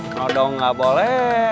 nodong gak boleh